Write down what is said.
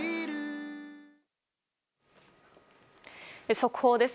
速報です。